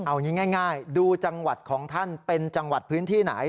เอางี้ง่ายดูจังหวัดของท่านเป็นจังหวัดพื้นที่ไหน